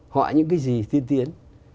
hỏi những cái gì tiên tiến